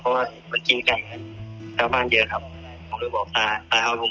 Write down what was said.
เพราะว่ามันกินไก่กันชาวบ้านเยอะครับผมเลยบอกตายตายค่อยผม